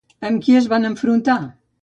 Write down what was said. Amb qui es van enfrontar?